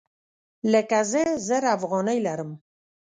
لکه زه زر افغانۍ لرم